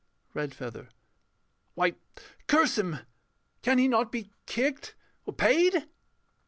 REDFEATHER. Why, curse him! can he not Be kicked or paid?